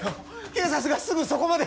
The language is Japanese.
警察がすぐそこまで！